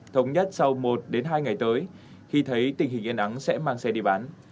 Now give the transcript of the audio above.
thống nhất sau một hai ngày tới khi thấy tình hình yên ắng sẽ mang xe đi bán